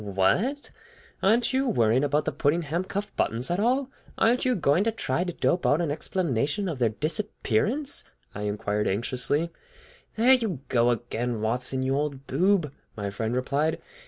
"What! Aren't you worrying about the Puddingham cuff buttons at all? Aren't you going to try to dope out an explanation of their disappearance?" I inquired anxiously. "There you go again, Watson, you old boob!" my friend replied.